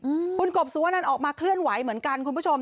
อืมคุณกบสุวนันออกมาเคลื่อนไหวเหมือนกันคุณผู้ชม